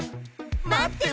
待ってます！